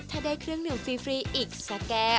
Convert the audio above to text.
ถ้าได้เครื่องดื่มฟรีอีกสักแก้ว